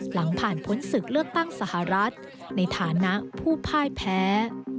หลังผ่านพ้นศึกเลือกตั้งสหรัฐในฐานะผู้พ่ายแพ้